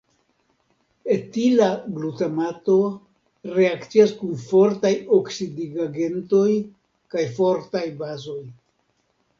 Etila glutamato reakcias kun fortaj oksidigagentoj kaj fortaj bazoj.